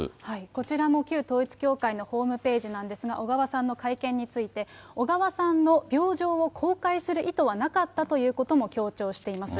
こちらも旧統一教会のホームページなんですが、小川さんの会見について、小川さんの病状を公開する意図はなかったということも強調しています。